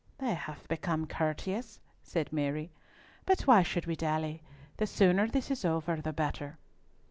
"They have become courteous," said Mary. "But why should we dally? The sooner this is over, the better."